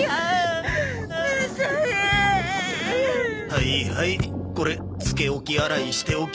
はいはいこれつけ置き洗いしておきますね。